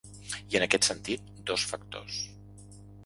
I en aquest sentit, dos factors.